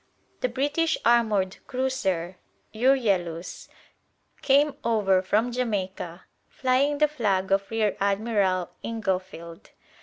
The British armoured cruiser "Euryalus" came over from Jamaica flying the flag of Rear Admiral Inglefield.